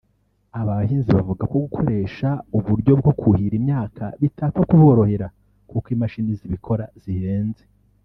Aba bahinzi bavuga ko gukoresha uburyo bwo kuhira imyaka bitapfa kuborohera kuko imashini zibikora zihenze